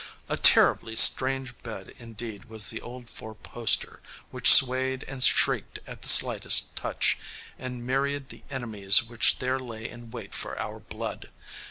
A "terribly strange bed" indeed was the old four poster, which swayed and shrieked at the slightest touch, and myriad the enemies which there lay in wait for our blood.